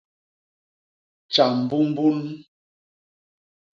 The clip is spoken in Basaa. Tja mbumbun.